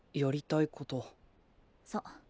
そう。